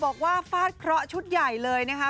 บอกว่าฟาดเคราะห์ชุดใหญ่เลยนะครับ